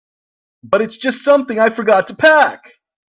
But it's just something I forgot to pack.